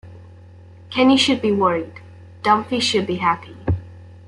Kenny should be worried, Dunphy should be happy.